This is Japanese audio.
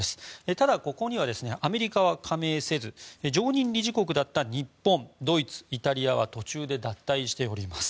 ただ、ここにはアメリカは加盟せず常任理事国だった日本、ドイツ、イタリアは途中で脱退しております。